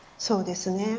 そうですね。